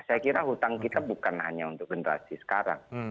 saya kira hutang kita bukan hanya untuk generasi sekarang